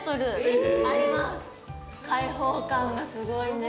開放感がすごいんです。